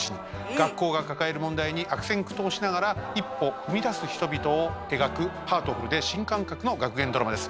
学校が抱える問題に悪戦苦闘しながら一歩踏み出す人々を描くハートフルで新感覚の学園ドラマです。